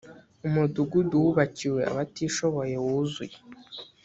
umudugudu wubakiwe abatishoboye wuzuye